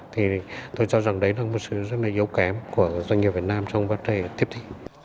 thì tôi cho rằng đấy là một sự rất là yếu kém của doanh nghiệp việt nam trong vấn đề tiếp thị